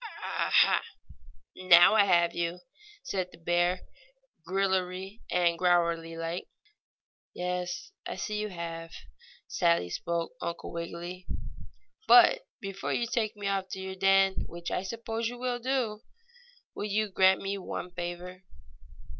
"Ah ha! Now I have you!" said the bear, grillery and growlery like. "Yes, I see you have," sadly spoke Uncle Wiggily. "But before you take me off to your den, which I suppose you will do, will you grant me one favor?"